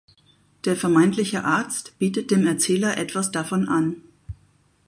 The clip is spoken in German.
Der vermeintliche Arzt bietet dem Erzähler etwas davon an.